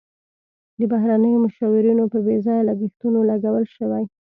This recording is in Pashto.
د بهرنیو مشاورینو په بې ځایه لګښتونو لګول شوي.